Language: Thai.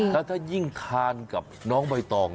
แล้วถ้ายิ่งทานกับน้องใบตอง